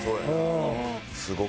すごいわ。